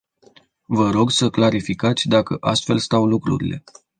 Vă rog să clarificați dacă astfel stau lucrurile.